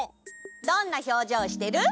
どんなひょうじょうしてる？